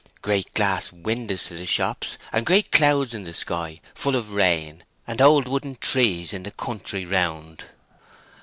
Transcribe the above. "Great glass windows to the shops, and great clouds in the sky, full of rain, and old wooden trees in the country round."